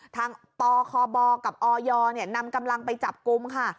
ทางตคบกับอยเนี่ยนำกำลังไปจับกุมค่ะ